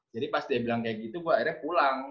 jadi pas dia bilang kayak gitu gue akhirnya pulang